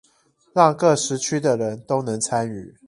讓各時區的人都能參與